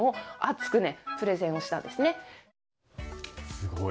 すごい。